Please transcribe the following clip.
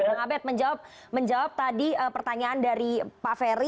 bang abed menjawab menjawab tadi pertanyaan dari pak ferry bahwa tidak pernah ada kembali